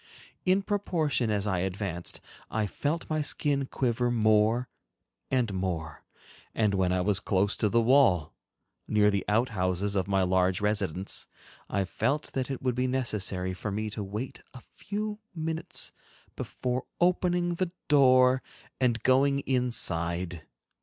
In proportion as I advanced, I felt my skin quiver more and more, and when I was close to the wall, near the outhouses of my large residence, I felt that it would be necessary for me to wait a few minutes before opening the door and going inside.